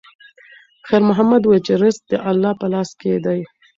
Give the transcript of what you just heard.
خیر محمد وویل چې رزق د الله په لاس کې دی.